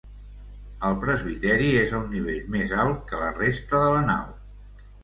El presbiteri és a un nivell més alt que la resta de la nau.